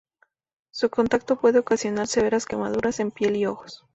Su contacto puede ocasionar severas quemaduras en piel y ojos.